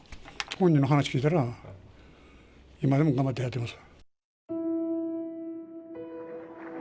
本人の話聞いたら、今でも頑張ってやってます。